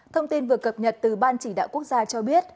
thông tin vừa cập nhật từ ban chỉ đạo quốc gia cho biết